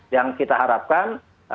yang kita harapkan